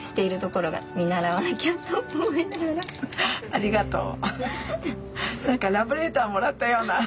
ありがとう。